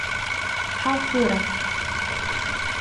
Ḥeṛṛ tura.